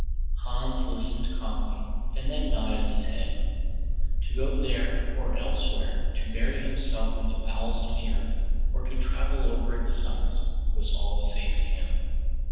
Hans listened calmly, and then nodded his head. To go there, or elsewhere, to bury himself in the bowels of the earth, or to travel over its summits, was all the same to him!